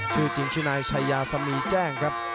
ชื่อจริงชื่อนายชายาสมีแจ้งครับ